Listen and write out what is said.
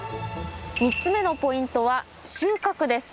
３つ目のポイントは収穫です。